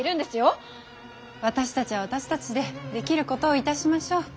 私たちは私たちでできることをいたしましょう。